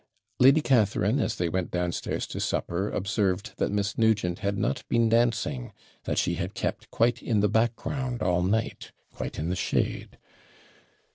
Lady Catharine, as they went downstairs to supper, observed that Miss Nugent had not been dancing, that she had kept quite in the background all night quite in the shade.